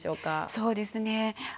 そうですね。